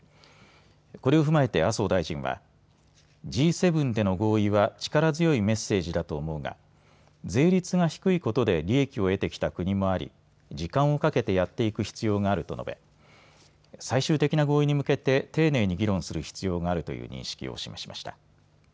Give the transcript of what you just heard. これを踏まえて麻生大臣はＧ７での合意は力強いメッセージだと思うが税率が低いことで利益を得てきた国もあり、時間をかけてやっていく必要があると述べ最終的な合意に向けて丁寧に議論する必要があるという認識を示しました。